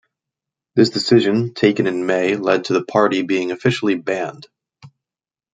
This decision, taken in May, led to the party being officially banned.